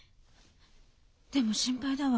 でも心配だわ。